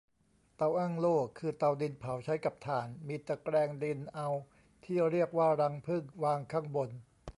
เตาอั้งโล่ คือเตาดินเผา ใช้กับถ่าน มีตะแกรงดินเอาที่เรียกว่ารังผึ้ง วางข้างบน